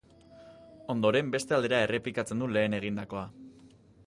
Ondoren beste aldera errepikatzen du lehen egindakoa.